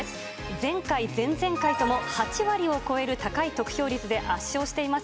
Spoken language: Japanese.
前回、前々回とも８割を超える高い得票率で圧勝しています